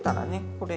これ